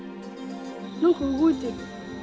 なんか動いてる。